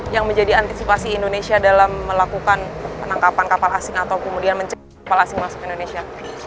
yang menjadi antisipasi indonesia dalam melakukan penangkapan kapal asing atau kemudian mencegah kapal asing masuk ke indonesia